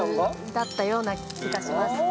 だったような気がしますね。